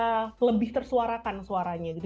jadi itu juga bisa disuarakan suaranya gitu